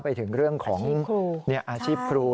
ไปถึงเรื่องของอาชีพครู